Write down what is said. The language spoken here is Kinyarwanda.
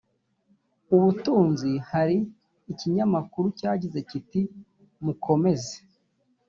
ubutunzi hari ikinyamakuru cyagize kiti mukomeze